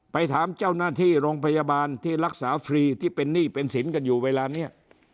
ไปถามเจ้าหน้าที่โรงพยาบาลที่รักษาฟรีที่เป็นหนี้เป็นสินกันอยู่เวลานี้